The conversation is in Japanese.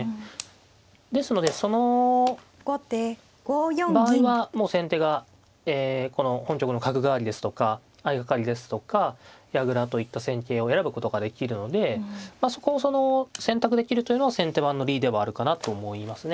ですのでその場合はもう先手がこの本局の角換わりですとか相掛かりですとか矢倉といった戦型を選ぶことができるのでまあそこをその選択できるというのは先手番の利ではあるかなと思いますね。